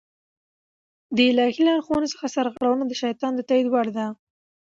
د الهي لارښوونو څخه سرغړونه د شيطان د تائيد وړ ده